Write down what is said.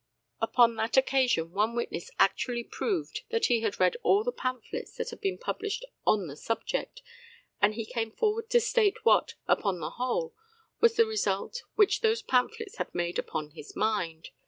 Upon that occasion one witness actually proved that he had read all the pamphlets that had been published on the subject, and he came forward to state what, upon the whole, was the result which those pamphlets had made upon his mind.